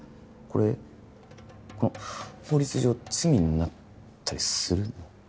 これ法律上罪になったりするの？